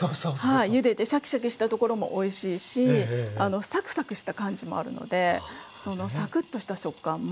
はいゆでてシャキシャキしたところもおいしいしサクサクした感じもあるのでそのサクッとした食感もいいですよね。